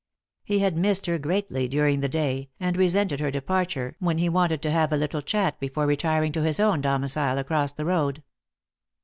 He had missed her greatly during the day, and resented her departure when he wanted to have a little chat before retiring to his own domicile across the road.